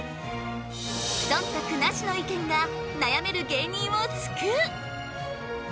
そんたくなしの意見が悩める芸人を救う！